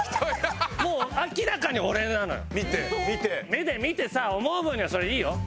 目で見てさ思う分にはそりゃいいよ。